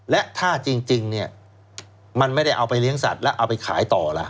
และถ้าจริงเนี่ยมันไม่ได้เอาไปเลี้ยงสัตว์แล้วเอาไปขายต่อล่ะ